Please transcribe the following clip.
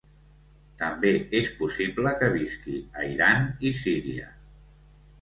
També és possible que visqui a Iran i Síria.